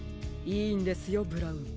いいんですよブラウン。